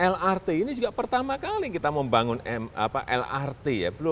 lrt ini juga pertama kali kita membangun lrt ya